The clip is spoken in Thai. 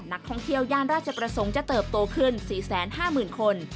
นักท่องเที่ยวย่านราชประสงค์จะเติบโตขึ้น๔๕๐๐๐คน